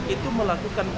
itu melakukan penundaan